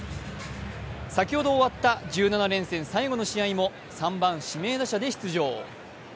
先ほど終わった１７連戦最後の試合も３番・指名打者で出場。